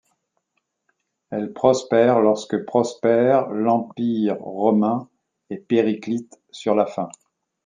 Elle prospère lorsque prospère l'Empire romain, et périclite sur la fin.